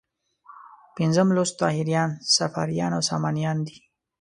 پنځم لوست طاهریان، صفاریان او سامانیان دي.